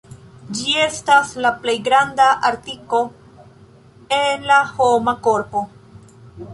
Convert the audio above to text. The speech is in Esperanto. Ĝi estas la plej granda artiko en la homa korpo.